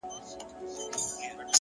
او په لوړ ږغ په ژړا سو!!